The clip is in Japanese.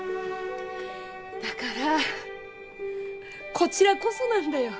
だからこちらこそなんだよ！